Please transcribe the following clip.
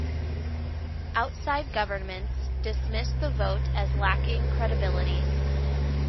Outside governments dismissed the vote as lacking credibility.